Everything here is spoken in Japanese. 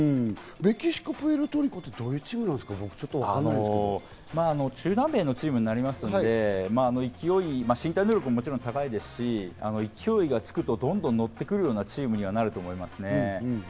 メキシコとプエルトリコはど中南米のチームなので、身体能力ももちろん高いですし、勢いがつくと、どんどんのってくるようなチームにはなると思いますね。